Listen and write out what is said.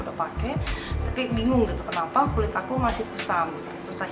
tapi bingung kenapa kulit aku masih gusam "